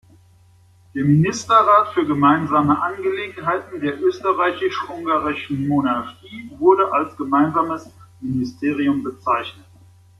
Der Ministerrat für Gemeinsame Angelegenheiten der Österreichisch-Ungarischen Monarchie wurde als "Gemeinsames Ministerium" bezeichnet.